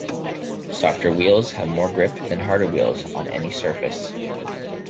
Softer wheels have more grip than harder wheels on any surface.